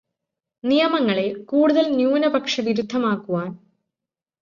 നിയമങ്ങളെ കൂടുതല് ന്യൂനപക്ഷവിരുദ്ധമാക്കുവാൻ